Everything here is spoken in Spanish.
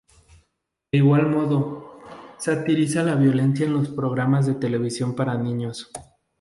De igual modo, satiriza la violencia en los programas de televisión para niños.